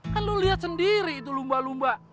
kan lu lihat sendiri itu lumba lumba